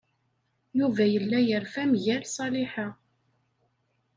Yuba yella yerfa mgal Ṣaliḥa.